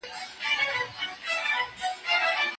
چي پر درې برخو ویشل سوېده.